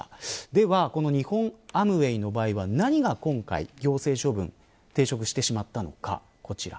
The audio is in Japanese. では日本アムウェイの場合は何が今回行政処分に抵触してしまったのかこちら。